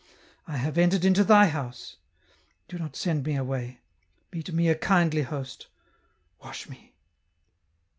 I have entered into Thy house ; do not send me away, be to me a kindly host, wash me."